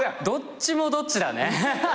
どっちもどっちだね。